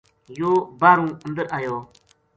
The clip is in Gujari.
یوہ باہرُو اندر آیو